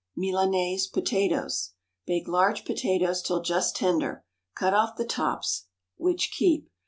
Milanese Potatoes. Bake large potatoes till just tender; cut off the tops, which keep.